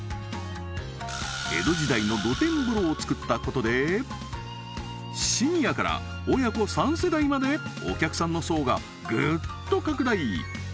江戸時代の露天風呂を造ったことでシニアから親子３世代までお客さんの層がぐっと拡大！